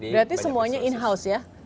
berarti semuanya in house ya